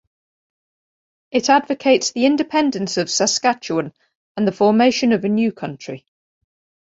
It advocates the independence of Saskatchewan, and the formation of a new country.